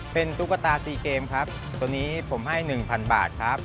เป็นตุ๊กตาซีเกมครับตัวนี้ผมให้๑๐๐บาทครับ